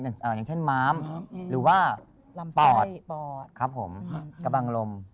อย่างเช่นมาร์มหรือว่าปอดกระบังลม